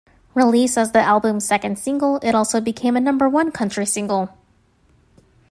Released as the album's second single, it also became a number-one country single.